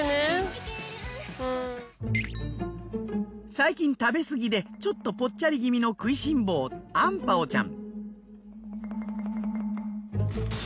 最近食べすぎでちょっとぽっちゃり気味の食いしん坊アンパオちゃん。